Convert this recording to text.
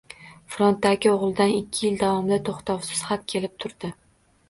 Frontdagi oʻgʻlidan ikki yil davomida toʻxtovsiz xat kelib turdi.